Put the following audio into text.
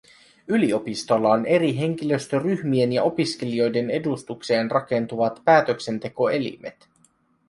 Yliopistolla on eri henkilöstöryhmien ja opiskelijoiden edustukseen rakentuvat päätöksentekoelimet.